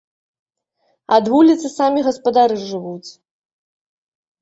Ад вуліцы самі гаспадары жывуць.